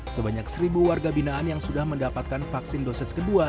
sebanyak seribu warga binaan yang sudah mendapatkan vaksin dosis kedua